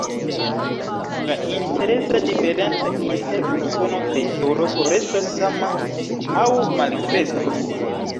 La intereza diferenco inter Usono kaj Eŭropo restos sama aŭ malkreskos.